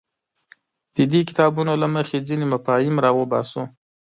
د دې کتابونو له مخې ځینې مفاهیم راوباسو.